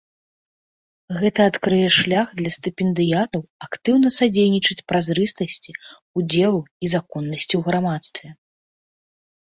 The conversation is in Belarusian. Гэта адкрые шлях для стыпендыятаў актыўна садзейнічаць празрыстасці, удзелу і законнасці ў грамадстве.